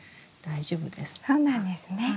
そうなんですね。